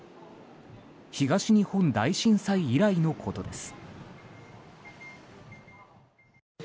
東日本大震災以来のことです。